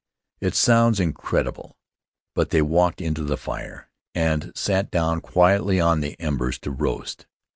It sounds in credible, but they walked into the fire, and sat down quietly on the embers to roast!